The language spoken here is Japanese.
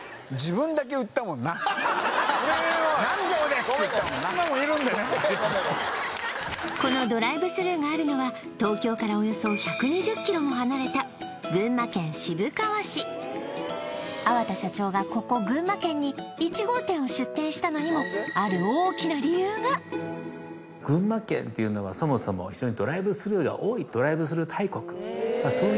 俺は「南條です」って言ったもんなこのドライブスルーがあるのは東京からおよそ１２０ｋｍも離れた群馬県渋川市粟田社長がここ群馬県に１号店を出店したのにもある大きな理由がそもそもというのがありましたね